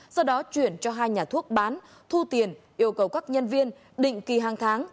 sau đó chuyển cho hai nhà thuốc bán thu tiền yêu cầu các nhân viên định kỳ hàng tháng